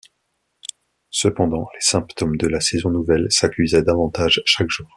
Cependant, les symptômes de la saison nouvelle s’accusaient davantage chaque jour.